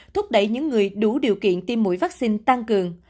thúc đẩy những người đủ điều kiện tiêm mũi vaccine tăng cường